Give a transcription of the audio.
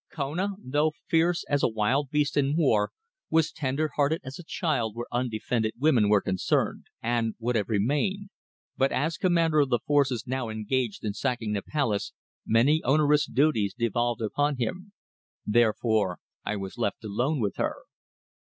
Kona, though fierce as a wild beast in war, was tender hearted as a child where undefended women were concerned, and would have remained, but as commander of the forces now engaged in sacking the palace many onerous duties devolved upon him. Therefore I was left alone with her.